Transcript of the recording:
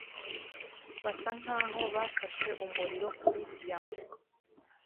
Basa nkaho bafashe umuriro kuri diyama